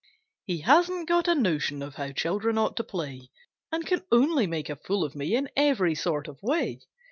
He hasn't got a notion of how children ought to play, And can only make a fool of me in every sort of way.